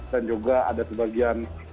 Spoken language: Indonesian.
dan juga ada sebagian